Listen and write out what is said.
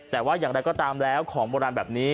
แต่ว่าอย่างไรก็ตามแล้วของโบราณแบบนี้